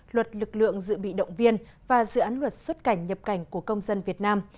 luật lực lượng dự bị động viên và dự án luật xuất cảnh nhập cảnh của công dân việt nam